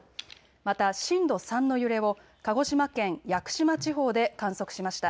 また震度３の揺れを鹿児島県屋久島地方で観測しました。